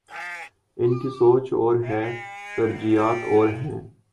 ان کی سوچ اور ہے، ترجیحات اور ہیں۔